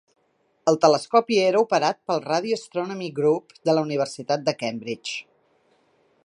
El telescopi era operat pel Radio Astronomy Group de la Universitat de Cambridge.